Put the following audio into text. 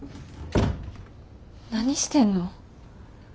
何してんの？